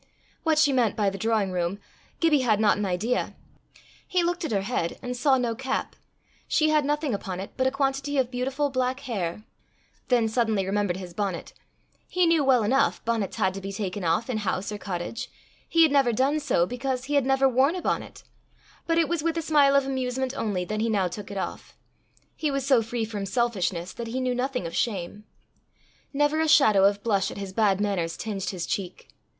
What she meant by the drawing room, Gibbie had not an idea. He looked at her head, and saw no cap; she had nothing upon it but a quantity of beautiful black hair; then suddenly remembered his bonnet; he knew well enough bonnets had to be taken off in house or cottage: he had never done so because he never had worn a bonnet. But it was with a smile of amusement only that he now took it off. He was so free from selfishness that he knew nothing of shame. Never a shadow of blush at his bad manners tinged his cheek.